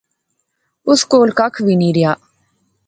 اس کول ککھ وی نی رہیا